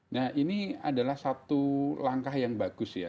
nah ini adalah satu langkah yang bagus ya